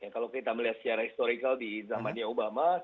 kalau kita melihat secara historikal di zaman obama